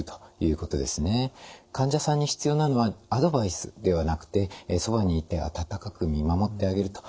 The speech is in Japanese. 患者さんに必要なのはアドバイスではなくてそばにいて温かく見守ってあげると。